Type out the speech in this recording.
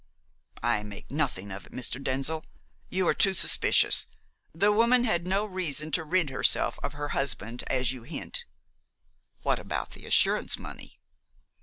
"I make nothing of it, Mr. Denzil. You are too suspicious. The woman had no reason to rid herself of her husband as you hint." "What about the assurance money?"